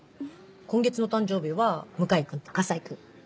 今月の誕生日は向井君と河西君。